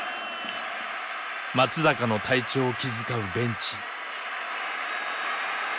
松坂の体調を気遣うベンチ。